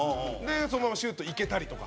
そのままシュートいけたりとか。